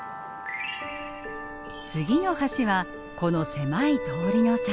次の橋はこの狭い通りの先。